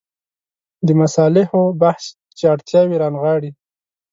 د مصالحو بحث چې اړتیاوې رانغاړي.